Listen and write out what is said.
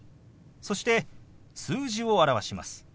そして数字を表します。